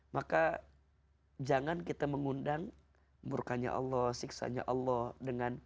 maka jangan kita mengundang murkanya allah siksanya allah dengan